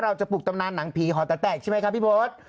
เราจะปลุกตำนานหนังผีหอแต๋วแตกใช่ไหมคะพี่โพธ